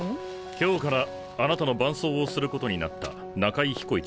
今日からあなたの伴走をすることになった中居彦一だ。